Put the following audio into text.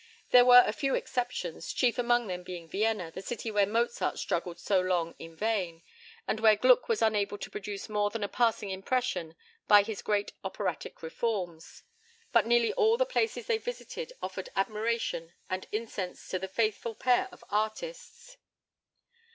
There were a few exceptions, chief among them being Vienna, the city where Mozart struggled so long in vain, and where Gluck was unable to produce more than a passing impression by his great operatic reforms. But nearly all the places they visited offered admiration and incense to the faithful pair of artists.